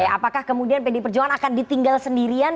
apakah kemudian pdi perjuangan akan ditinggal sendirian